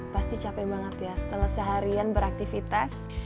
pasti capek banget ya setelah seharian beraktivitas